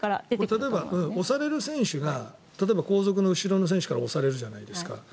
例えば、押される選手が後続の後ろの選手から押されるじゃないですか。